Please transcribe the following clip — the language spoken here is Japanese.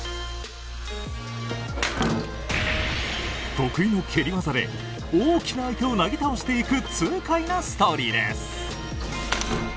得意の蹴り技で大きな相手をなぎ倒していく痛快なストーリーです。